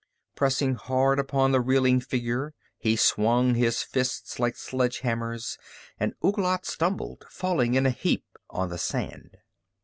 Pressing hard upon the reeling figure, he swung his fists like sledge hammers, and Ouglat stumbled, falling in a heap on the sand.